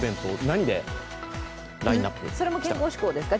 それも健康志向ですか？